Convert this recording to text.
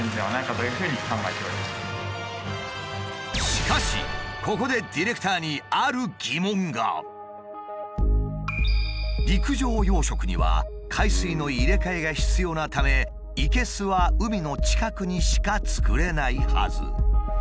しかしここでディレクターに陸上養殖には海水の入れ替えが必要なため生けすは海の近くにしか作れないはず。